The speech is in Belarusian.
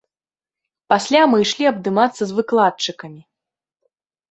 Пасля мы ішлі абдымацца з выкладчыкамі.